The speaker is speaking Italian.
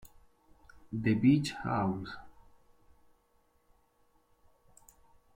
The Beach House